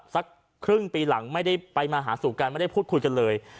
สักครึ่งปีหลังไม่ได้ไปมาหาสู่กันไม่ได้พูดคุยกันเลย